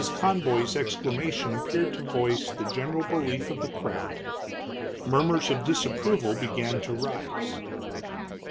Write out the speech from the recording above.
Conboy's exclamation appeared to voice the general belief of the crowd. Murmurs of disapproval began to rise.